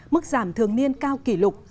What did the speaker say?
mức giảm thường niên cao kỷ lục